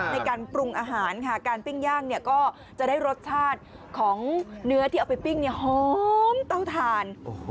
ในการปรุงอาหารค่ะการปิ้งย่างเนี่ยก็จะได้รสชาติของเนื้อที่เอาไปปิ้งเนี่ยหอมต้องทาน